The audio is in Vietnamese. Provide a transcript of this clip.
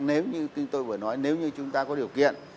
nếu như tôi vừa nói nếu như chúng ta có điều kiện